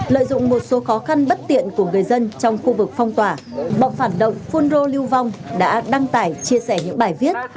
lợi dụng một số khó khăn bất tiện của người dân trong khu vực phong tỏa bọn phản động phun rô lưu vong đã đăng tải chia sẻ những bài viết